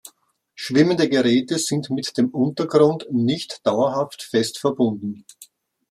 Schwimmende Geräte sind mit dem Untergrund nicht dauerhaft fest verbunden.